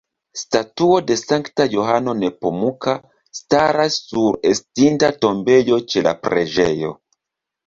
Statuo de Sankta Johano Nepomuka staras sur estinta tombejo ĉe la preĝejo.